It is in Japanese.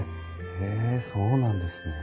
へえそうなんですね。